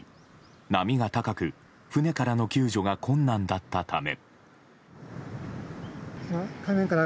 波が高く、船からの救助が困難だったため。